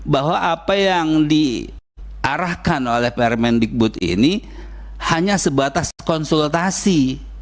bahwa apa yang diarahkan oleh permendikbud ini hanya sebatas konsultasi